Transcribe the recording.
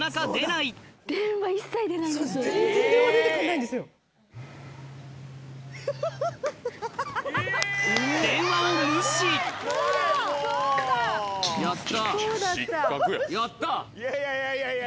いやいやいやいや。